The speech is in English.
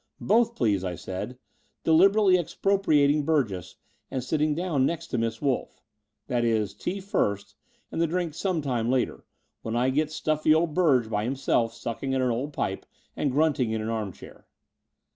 "Both, please," I said, deliberately expropriat ing Burgess and sitting down next to Miss Wolff — "that is, tea first and the drink some time later, when I get stuffy old Burge by himself sucking at an old pipe and grtmting in an armchair."